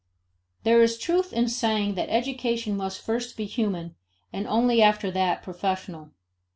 There is truth in the saying that education must first be human and only after that professional.